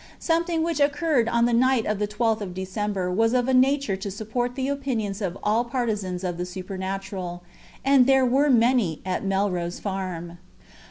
Something which occurred on the night of the 12th of December was of a nature to support the opinions of all partisans of the supernatural, and there were many at Melrose Farm.